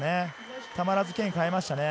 たまらず剣を変えましたね。